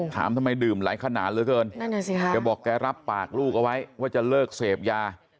ถามทำไมดื่มหลายขนาดเหลือเกินนั่นแหละสิค่ะแกบอกแกรับปากลูกเอาไว้ว่าจะเลิกเสพยา